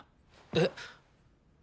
えっ。